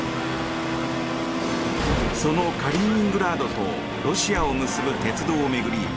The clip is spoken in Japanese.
そのカリーニングラードとロシアを結ぶ鉄道を巡り